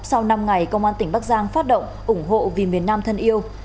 sau năm ngày công an tỉnh bắc giang phát động ủng hộ vì miền nam thân yêu